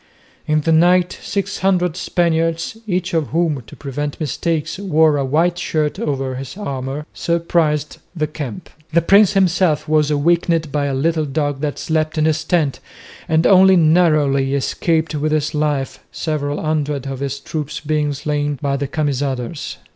In the night six hundred Spaniards, each of whom to prevent mistakes wore a white shirt over his armour, surprised the camp. The prince himself was awakened by a little dog that slept in his tent and only narrowly escaped with his life, several hundred of his troops being slain by the Camisaders.